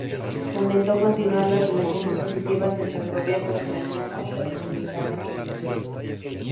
Fomentó continuar las relaciones positivas entre el gobierno ucraniano y las comunidades religiosas.